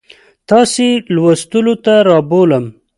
تاسو یې لوستو ته رابولم.